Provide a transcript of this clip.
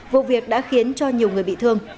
vụ việc đã khiến cho nhiều người bị thương